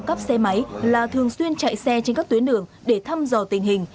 trộm cắp xe máy là thường xuyên chạy xe trên các tuyến đường để thăm dò tình hình